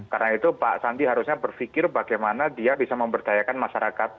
karena itu pak sadiaga harusnya berpikir bagaimana dia bisa memberdayakan masyarakat